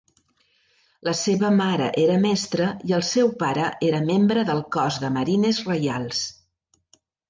La seva mare era mestra i el seu pare era membre del Cos de Marines Reials.